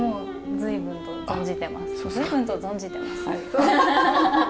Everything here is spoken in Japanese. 随分と存じてます？